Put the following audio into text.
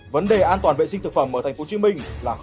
bây giờ tôi nói thật